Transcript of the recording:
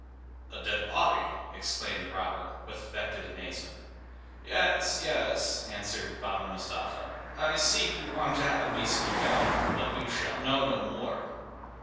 "A dead body!" exclaimed the robber, with affected amazement. "Yes, yes," answered Baba Mustapha; "I see you want to have me speak out, but you shall know no more."